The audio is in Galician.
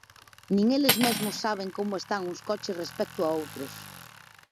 Nin eles mesmos saben como están uns coches respecto a outros.